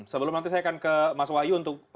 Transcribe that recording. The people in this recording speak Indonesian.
sebelum nanti saya akan ke mas wahyu untuk